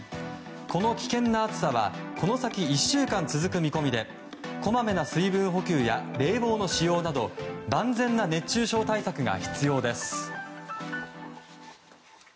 この危険な暑さはこの先１週間続く見込みでこまめな水分補給や冷房の使用など万全な熱中症対策が必要です。